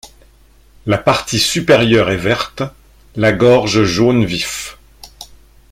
La partie supérieure est verte, la gorge jaune vif.